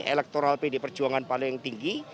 elektoral pd perjuangan paling tinggi